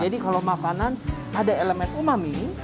jadi kalau makanan ada elemen umami